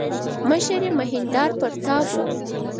مشر یې مهیندراپراتاپ و.